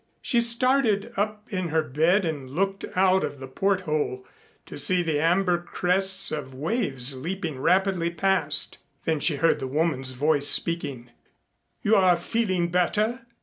She started up in her bed and looked out of the port hole to see the amber crests of waves leaping rapidly past. Then she heard the woman's voice speaking. "You are feeling better?"